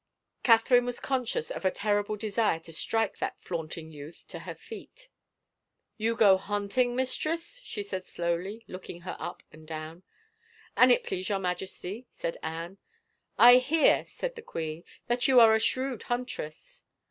Catherine was conscious of a terrible desire to strike that flaunting youth to her feet. " You go hunting, mistress ?" she said slowly, looking her up and down. " An it please your Majesty," said Anne. " I hear," said the queen, " that you are a shrewd huntress."